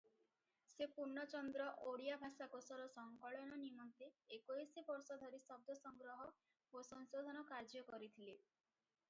ସେ ପୂର୍ଣ୍ଣଚନ୍ଦ୍ର ଓଡ଼ିଆ ଭାଷାକୋଷର ସଂକଳନ ନିମନ୍ତେ ଏକୋଇଶି ବର୍ଷ ଧରି ଶବ୍ଦ ସଂଗ୍ରହ ଓ ସଂଶୋଧନ କାର୍ଯ୍ୟ କରିଥିଲେ ।